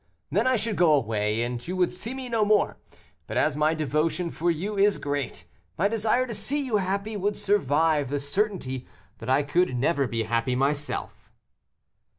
Then I should go away, and you would see me no more, but as my devotion for you is great, my desire to see you happy would survive the certainty that I could never be happy myself."